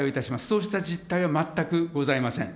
そうした実態は全くございません。